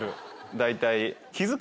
大体。